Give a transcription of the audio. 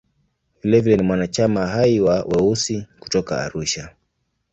Vilevile ni mwanachama hai wa "Weusi" kutoka Arusha.